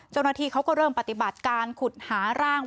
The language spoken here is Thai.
เจ้าหน้าที่เขาก็เริ่มปฏิบัติการขุดหาร่าง